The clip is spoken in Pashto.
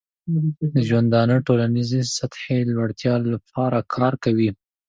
د ژوندانه ټولنیزې سطحې لوړتیا لپاره کار کوي.